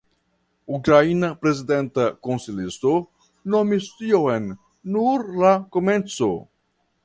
Ukraina Prezidenta konsilisto nomis tion ""nur la komenco"".